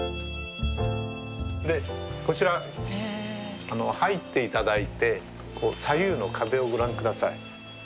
こちら入って頂いて左右の壁をご覧下さい。